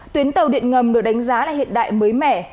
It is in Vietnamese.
tuyến tàu điện ngầm được đánh giá là hiện đại mới mẻ